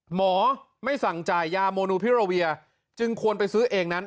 หมอไม่สั่งจ่ายยาโมนูพิโรเวียจึงควรไปซื้อเองนั้น